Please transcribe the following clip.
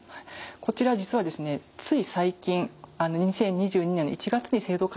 こちら実はですねつい最近２０２２年の１月に制度改正がありました。